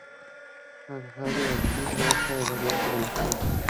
Nazario Ortiz Garza, al oriente de la ciudad.